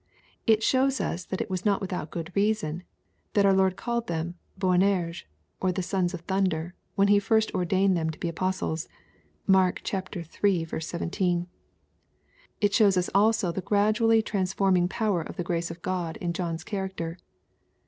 It shows us that it was not without good reason that our Lord called them Boanerges, or sons of thunder, when He first ordained them to be apostles. Mark iii. 17. It shows us also the graduaUy transforming power of the grace of G^d in John's character.